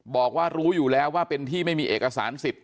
บอกว่ารู้อยู่แล้วว่าเป็นที่ไม่มีเอกสารสิทธิ